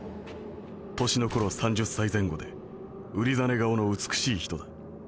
年の頃３０歳前後でうりざね顔の美しい人だ。